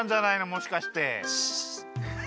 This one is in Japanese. もしかして。